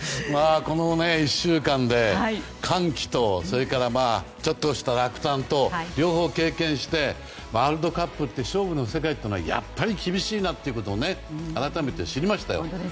この１週間で歓喜とちょっとした落胆と両方経験してワールドカップって勝負の世界ってやっぱり厳しいなと改めて知りましたよ。